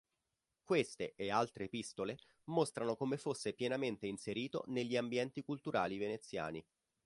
Queste e altre epistole mostrano come fosse pienamente inserito negli ambienti culturali veneziani.